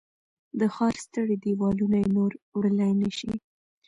د ښار ستړي دیوالونه یې نور وړلای نه شي